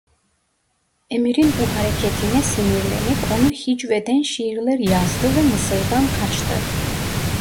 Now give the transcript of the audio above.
Emirin bu hareketine sinirlenip onu hicveden şiirler yazdı ve Mısır'dan kaçtı.